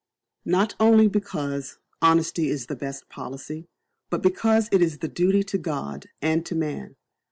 Not only because "honesty is the best policy," but because it is a duty to God and to man.